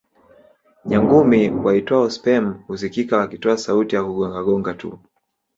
Nyangumi waitwao sperm husikika wakitoa sauti za kugonga gonga tu